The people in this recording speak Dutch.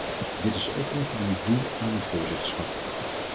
Dit is de oproep die ik doe aan het voorzitterschap.